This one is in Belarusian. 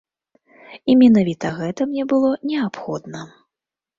І менавіта гэта мне было неабходна.